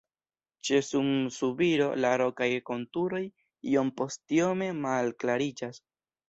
Ĉe sunsubiro la rokaj konturoj iompostiome malklariĝas.